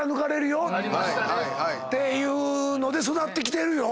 ていうので育ってきてるよ。